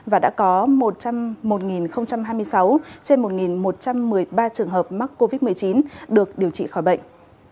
và đã có một hai mươi sáu trên một một trăm một mươi ba trường hợp mắc covid một mươi chín được điều trị khỏi bệnh